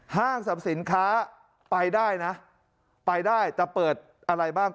ห้างสรรพสินค้าไปได้นะไปได้แต่เปิดอะไรบ้าง